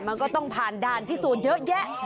มันก็ต้องผ่านดานที่สูนเยอะแยะ